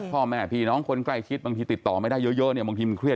พ่อแม่พี่น้องคนใกล้ชิดบางทีติดต่อไม่ได้เยอะเนี่ยบางทีมันเครียด